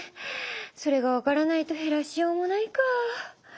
それが分からないと減らしようもないかあ。